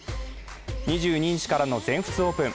２２日からの全仏オープン。